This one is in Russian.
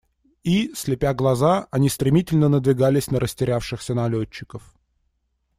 И, слепя глаза, они стремительно надвигались на растерявшихся налетчиков.